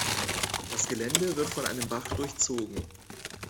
Das Gelände wird von einem Bach durchzogen.